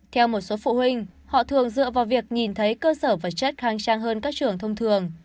theo một số phụ huynh họ thường dựa vào việc nhìn thấy cơ sở vật chất khang trang hơn các trường thông thường